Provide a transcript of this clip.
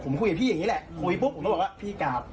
ผมคุยกับพี่อย่างนี้แหละคุยปุ๊บผมก็บอกว่าพี่กราบ